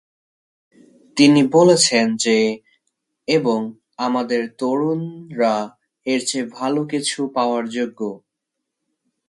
তিনি বলেছেন যে" এবং "আমাদের তরুণরা এর চেয়ে ভালো কিছু পাওয়ার যোগ্য!!